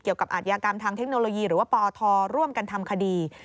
เกี่ยวกับอาทยากรรมทางเทคโนโลยีหรือว่าปธร่วมกันทำคดี